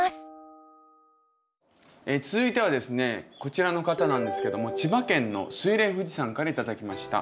続いてはですねこちらの方なんですけども千葉県のスイレンフジさんから頂きました。